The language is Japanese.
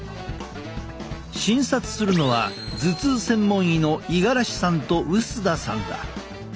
診察するのは頭痛専門医の五十嵐さんと臼田さんだ。